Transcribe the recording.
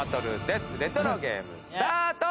レトロゲームスタート！